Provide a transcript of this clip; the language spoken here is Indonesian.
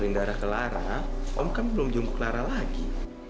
dari darah ke lara om kan belum jungkuk lara lagi